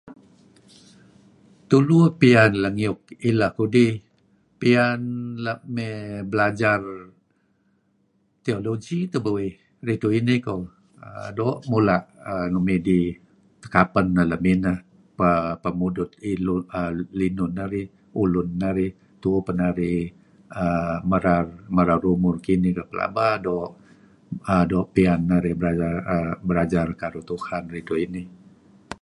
Lang lang doo' tabe' AI tulu narih kereb pakai. Tulu narih mileh pakai mileh uhm mengunakan AI lang-lang doo' teh idih. Peh maju narih lem ulun narih.